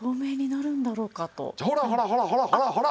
ほらほらほらほらほらほら！